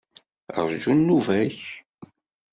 Rju nnuba-k.